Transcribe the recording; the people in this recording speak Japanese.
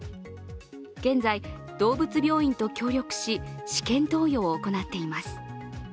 現在、動物病院と協力し、試験投与を行っています。